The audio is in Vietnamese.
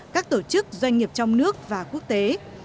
các tổ chức doanh nghiệp trong nước và quốc tế